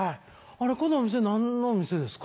あれこのお店何のお店ですか？